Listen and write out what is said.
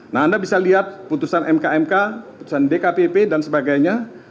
nah anda bisa lihat putusan mk mk putusan dkpp dan sebagainya